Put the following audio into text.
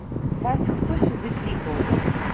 Вас хто сюды клікаў?